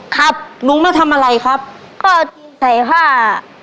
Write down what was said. ครับหนูมาทำอะไรครับก็ใส่ผ้า